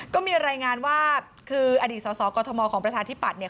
ก็มีลายงานว่าอดีตสสกรทมของพระชาธิบัตรเนี่ย